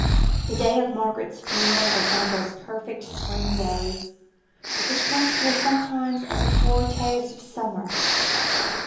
The day of Margaret's funeral was one of those perfect spring days, which come to us sometimes as a foretaste of summer.